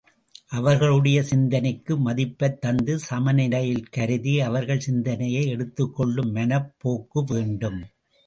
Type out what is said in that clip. அவர்களுடைய சிந்தனைக்கு மதிப்பைத் தந்து சமநிலையில் கருதி, அவர்கள் சிந்தனையை எடுத்துக் கொள்ளும் மனப் போக்கு வேண்டும்.